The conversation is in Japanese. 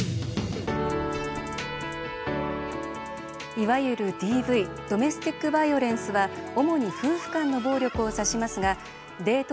いわゆるＤＶ＝ドメスティックバイオレンスは主に夫婦間の暴力を指しますがデート